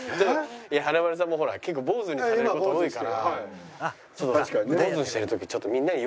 華丸さんもほら結構坊主にされる事多いから。